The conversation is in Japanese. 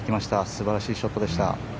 素晴らしいショットでした。